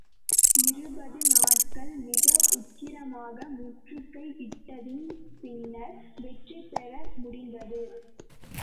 இருபது நாட்கள் மிக உக்கிரமாக முற்றுகையிட்டதின் பின்னர் வெற்றி பெற முடிந்தது.